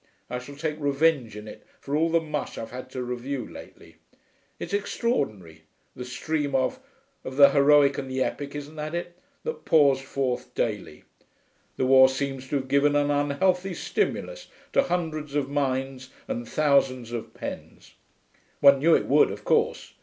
I shall take revenge in it for all the mush I've had to review lately. It's extraordinary, the stream of of the heroic and the epic, isn't that it that pours forth daily. The war seems to have given an unhealthy stimulus to hundreds of minds and thousands of pens. One knew it would, of course.